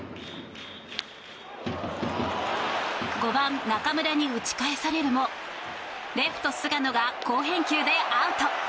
５番、中村に打ち返されるもレフト、菅野が好返球でアウト。